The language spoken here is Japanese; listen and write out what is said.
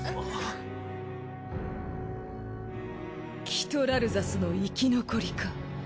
キトラルザスの生き残りか。